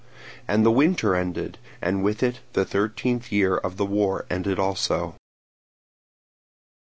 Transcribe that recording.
And the winter ended, and with it the thirteenth year of the war ended also.